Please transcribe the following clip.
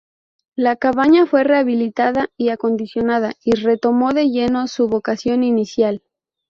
La cabaña fue rehabilitada y acondicionada, y retomó de lleno su vocación inicial.